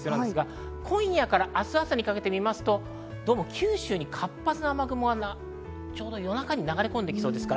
今夜から明日朝にかけて見ますと、九州に活発な雨雲がちょうど夜中に流れ込んで来そうです。